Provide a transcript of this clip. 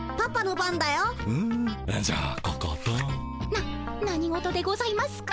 な何事でございますか？